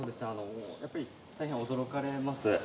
大変驚かされます。